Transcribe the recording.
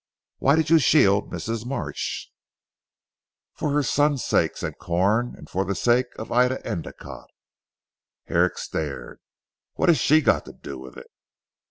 Why did you shield Mrs. Marsh?" "For her son's sake," said Corn, "and for the sake of Ida Endicotte." Herrick stared. "What has she got to do with it?"